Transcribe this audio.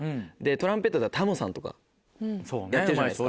トランペットだったらタモさんとかやってるじゃないですか。